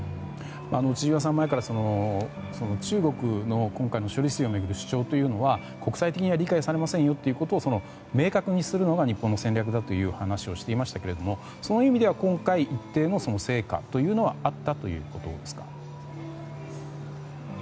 千々岩さん、前から中国の今回の処理水を巡る主張というのは、国際的には理解されませんよというのを明確にするのが日本の戦略だという話をしていましたがそういう意味では今回一定の成果というのはあったということですか？